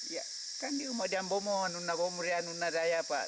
ya kan di rumah rumahnya di rumah rumahnya di rumah rumahnya pak